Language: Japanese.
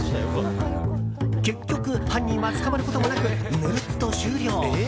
結局、犯人は捕まることもなくぬるっと終了。